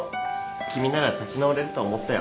君なら立ち直れると思ったよ。